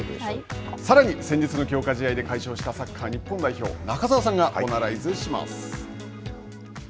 さらに先日の強化試合で快勝したサッカー日本代表、ボナライズします。